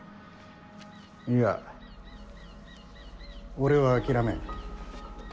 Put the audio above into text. いや、俺は諦めん。